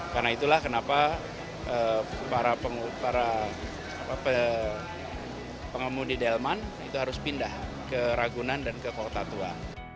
karena itulah kenapa para pengemudi delman itu harus pindah ke ragunan dan ke kota tua